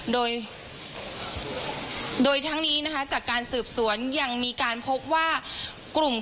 โดยทั้งนี้จากการสืบสวนยังมีการพบว่ากลุ่มเครือข่ายนี้